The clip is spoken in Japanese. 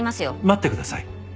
待ってください。